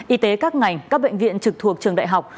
y tế các ngành các bệnh viện trực thuộc trường đại học